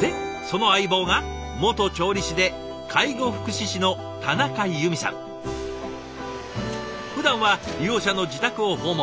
でその相棒が元調理師でふだんは利用者の自宅を訪問。